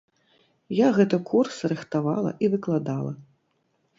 Я гэты курс рыхтавала і выкладала.